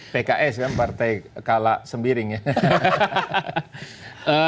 pks kan partai kalak sembiring ya